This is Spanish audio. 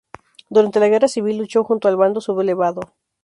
Durante la Guerra civil luchó junto al Bando sublevado.